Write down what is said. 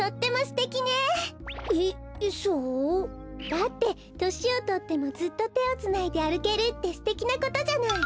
だってとしをとってもずっとてをつないであるけるってすてきなことじゃない。